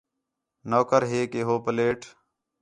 نوکر ہے کہ ہو پلیٹ